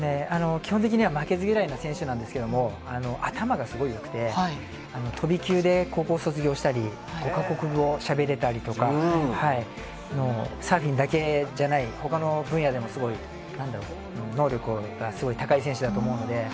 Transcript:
基本的には負けず嫌いの選手なんですけれども、頭がすごいよくて、飛び級で高校を卒業したり、５か国語をしゃべれたりとか、サーフィンだけじゃない、ほかの分野でもすごい、なんだろう、能力がすごい高い選手だと思うので。